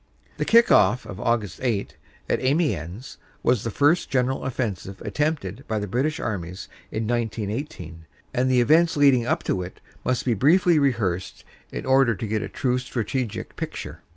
The "kick off" of Aug. 8 at Amiens was the first general offensive attempted by the British armies in 1918, and the events leading up to it must be briefly rehearsed in order to get a true strategic picture.